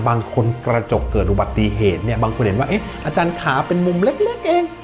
กระจกเกิดอุบัติเหตุเนี่ยบางคนเห็นว่าเอ๊ะอาจารย์ขาเป็นมุมเล็กเอง